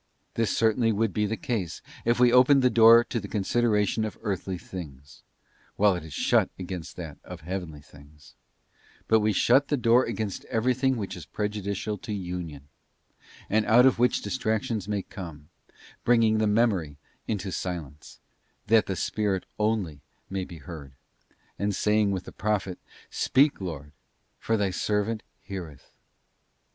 This certainly would be the case, if we opened the door to the consideration of earthly things, while it is shut against that of heavenly things: but we shut the door against everything which is prejudicial to Union, and out of which distractions may come, bringing the memory into silence, that: the Spirit only may be heard; and saying with the Prophet, 'Speak, Lord, for Thy servant heareth.